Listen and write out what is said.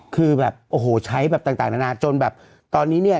คือแบบโอ้โหใช้แบบต่างนานาจนแบบตอนนี้เนี่ย